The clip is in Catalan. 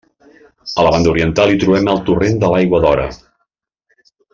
A la banda oriental hi trobem el torrent de l'Aigua d'Ora.